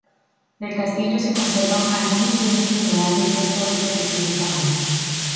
Del castillo se conservan algunos lienzos de muralla y tres torres de pequeño tamaño.